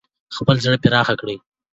خپل زړه پراخ کړئ.